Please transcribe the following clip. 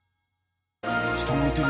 下向いてる。